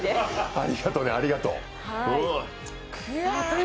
ありがとうね、ありがとう。